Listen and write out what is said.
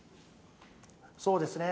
そうですね。